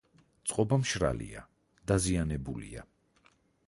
წყობა მშრალია, დაზიანებულია.